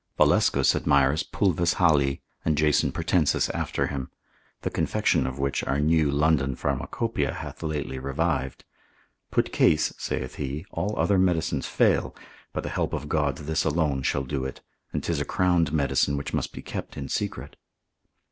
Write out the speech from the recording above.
Valescus admires pulvis Hali, and Jason Pratensis after him: the confection of which our new London Pharmacopoeia hath lately revived. Put case (saith he) all other medicines fail, by the help of God this alone shall do it, and 'tis a crowned medicine which must be kept in secret.